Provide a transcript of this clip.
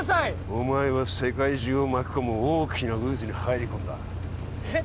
お前は世界中を巻き込む大きな渦に入り込んだえっ？